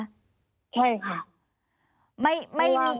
ใช่ค่ะ